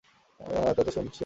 হাঁ, সে তো শুনেছি।